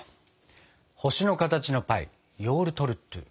星の形のパイヨウルトルットゥ。